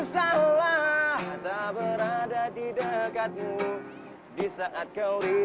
suara siapa tuh yang nyanyi